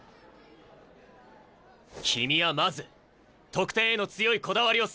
君はまず得点への強いこだわりを捨てろ！